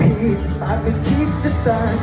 จากใครแล้ว